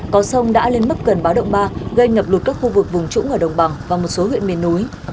có sông đã lên mức gần báo động ba gây ngập lụt các khu vực vùng trũng ở đồng bằng và một số huyện miền núi